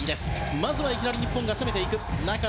まずはいきなり日本が攻める。